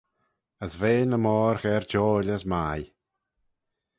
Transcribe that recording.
As ve ny moir gherjoil as mie.